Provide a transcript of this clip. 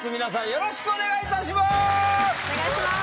よろしくお願いします。